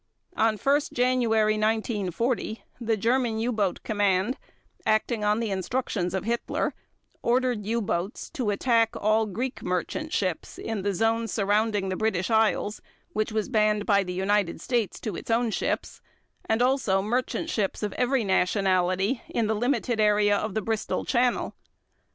On 1 January 1940 the German U boat Command, acting on the instructions of Hitler, ordered U boats to attack all Greek merchant ships in the zone surrounding the British Isles which was banned by the United States to its own ships and also merchant ships of every nationality in the limited area of the Bristol Channel.